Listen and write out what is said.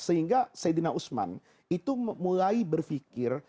sehingga sayyidina usman itu mulai berpikir